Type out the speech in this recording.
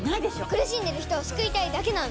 苦しんでる人を救いたいだけなの。